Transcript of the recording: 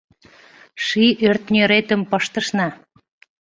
Ший ӧртньӧретым пыштышна.